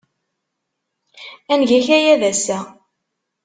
Ad neg akayad ass-a.